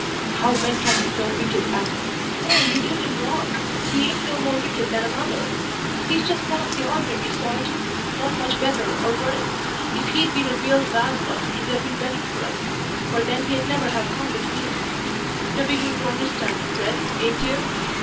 "How men can be so wicked as " "No, you do him wrong. He ain't no more wicked than another; he's just one of the ordinary sort not much better or worse. If he'd been a real bad lot it would have been better for us, for then he'd never have come between us. You're beginning to understand, Fred, ain't you?